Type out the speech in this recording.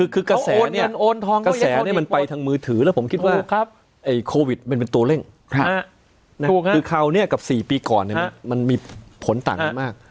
กระแสเนี่ยมันไปทางมือถือแล้วผมคิดว่าโควิดมันเป็นตัวเร่งคือเขากับสี่ปีก่อนมันมีผลต่างมาก